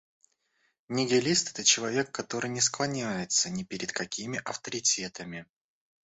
Нигилист - это человек, который не склоняется ни перед какими авторитетами